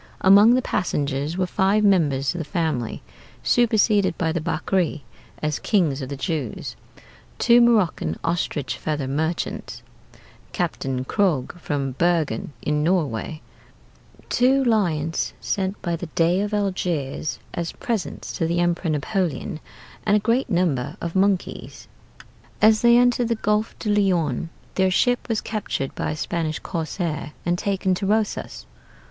Among the passengers were five members of the family superseded by the Bakri as kings of the Jews; two Maroccan ostrich feather merchants; Captain Krog from Bergen in Norway; two lions sent by the Dey of Algiers as presents to the Emperor Napoleon; and a great number of monkeys." As they entered the Golfe du Lion their ship was captured by a Spanish corsair and taken to Rosas.